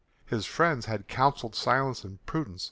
His friends had counselled silence and prudence.